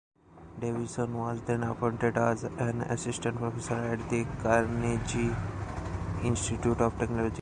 Davisson was then appointed as an assistant professor at the Carnegie Institute of Technology.